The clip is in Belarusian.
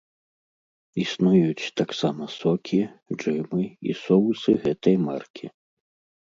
Існуюць таксама сокі, джэмы і соусы гэтай маркі.